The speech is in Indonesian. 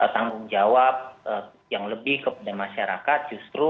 tanggung jawab yang lebih kepada masyarakat justru